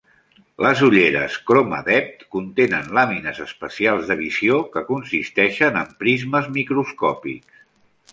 Les ulleres ChromaDepth contenen làmines especials de visió, que consisteixen en prismes microscòpics.